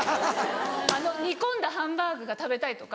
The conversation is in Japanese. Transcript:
「あの煮込んだハンバーグが食べたい」とか。